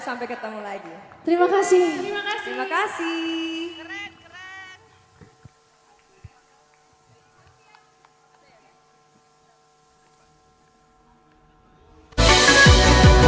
sampai ketemu lagi terima kasih